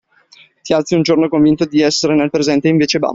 Ti alzi un giorno convinto di essere nel presente e invece bam!